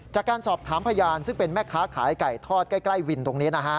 จากการสอบถามพยานซึ่งเป็นแม่ค้าขายไก่ทอดใกล้วินตรงนี้นะฮะ